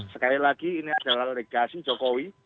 sekali lagi ini adalah legasi jokowi